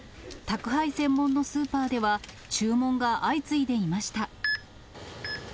宅配専門のスーパーでは、注文が相次いでいました。